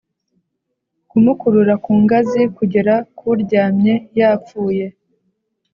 kumukurura ku ngazi kugera kuryamye yapfuye.